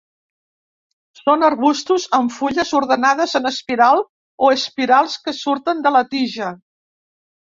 Són arbustos amb fulles ordenades en espiral o espirals que surten de la tija.